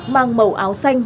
mang màu áo xanh